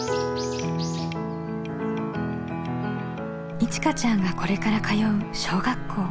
いちかちゃんがこれから通う小学校。